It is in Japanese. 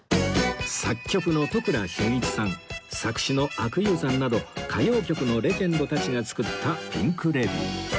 作曲の都倉俊一さん作詞の阿久悠さんなど歌謡曲のレジェンドたちが作ったピンク・レディー